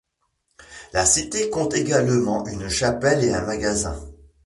La cité compte également une chapelle et un magasin.